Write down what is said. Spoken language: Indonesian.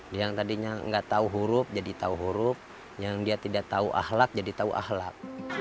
dia yang tadinya nggak tahu huruf jadi tahu huruf yang dia tidak tahu ahlak jadi tahu ahlak